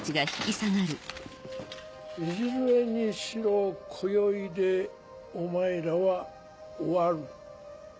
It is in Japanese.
いずれにしろ今宵でお前らは終わる。